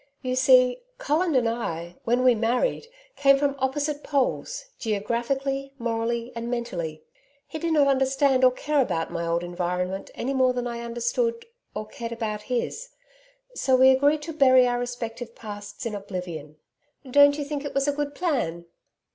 'You see, Colin and I, when we married, came from opposite poles geographically, morally and mentally. He did not understand or care about my old environment any more than I understood or cared about his. So we agreed to bury our respective pasts in oblivion. Don't you think it was a good plan?'